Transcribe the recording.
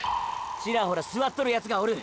ちらほら座っとるヤツがおる。